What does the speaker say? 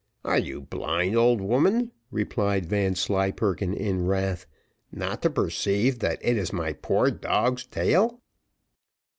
"Are you blind, old woman," replied Vanslyperken in wrath, "not to perceive that it is my poor dog's tail?"